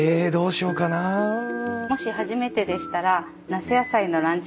もし初めてでしたら那須野菜のランチ